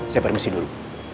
saya permisi dulu